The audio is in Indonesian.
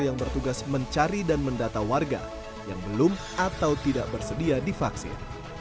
yang bertugas mencari dan mendata warga yang belum atau tidak bersedia divaksin